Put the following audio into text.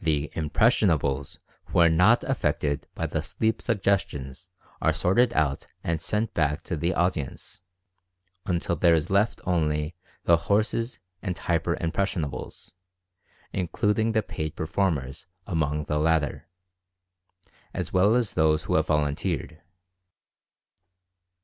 The "impressionables" who are not affected by the sleep suggestions are sorted out and sent back to the audience, until there is left only the "horses" and "hyper impressionables" including the paid perform ers among the latter, as well as those who have vol unteered.